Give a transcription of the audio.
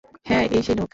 হ্যাঁ, এই সেই লোক।